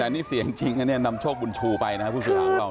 แต่อันนี้เสียงจริงนำโชคบุญชูไปนะพูดสุดหลังของเรา